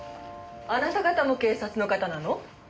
あなた方も警察の方なの？